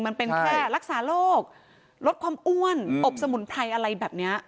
มันเป็นแค่รักษาโรคลดความอ้วนอบสมุนไพรอะไรแบบนี้